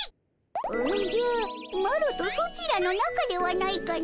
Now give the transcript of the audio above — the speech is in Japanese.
おじゃマロとソチらの仲ではないかの。